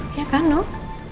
iya kan noh